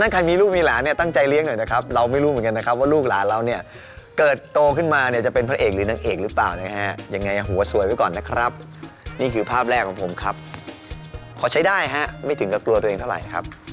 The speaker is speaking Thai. กลับไปดูภาพเก่าของเราตอนเด็กนั่นเองนะครับ